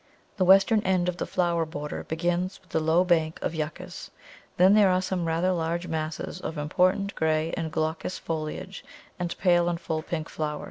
The western end of the flower border begins with the low bank of Yuccas, then there are some rather large masses of important grey and glaucous foliage and pale and full pink flower.